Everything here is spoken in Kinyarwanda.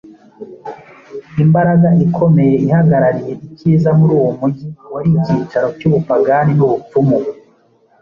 imbaraga ikomeye ihagarariye icyiza muri uwo mujyi wari icyicaro cy’ubupagani n’ubupfumu.